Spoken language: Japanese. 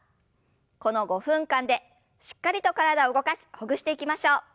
この５分間でしっかりと体を動かしほぐしていきましょう。